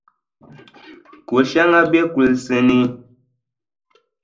Koʼ shɛŋa be kulisi ni.